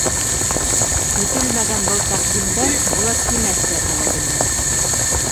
Көтөлмәгән был тәҡдимдән Булат нимә эшләргә лә белмәне.